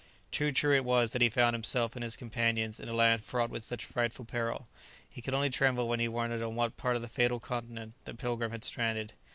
Too true it was that he found himself and his companions in a land fraught with such frightful peril. He could only tremble when he wondered on what part of the fatal continent the "Pilgrim" had stranded.